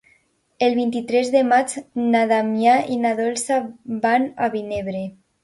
El vint-i-tres de maig na Damià i na Dolça van a Vinebre.